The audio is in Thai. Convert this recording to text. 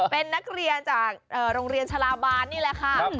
เป็นนักเรียนจากโรงเรียนชาลาบานนี่แหละค่ะ